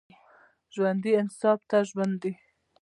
ژوندي انصاف ته ژمن دي